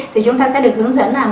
thì chúng ta sẽ được hướng dẫn là